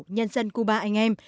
nhân dân cuba anh em